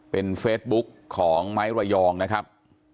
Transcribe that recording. เป็นเฟซบุ๊กของไม้ระยองนะครับ